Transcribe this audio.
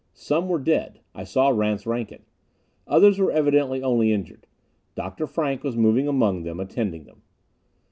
Some were dead. I saw Rance Rankin. Others were evidently only injured. Dr. Frank was moving among them, attending them.